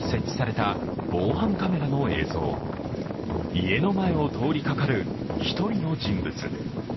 家の前を通りかかる１人の人物。